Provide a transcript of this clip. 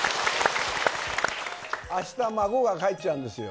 あした孫が帰っちゃうんですよ。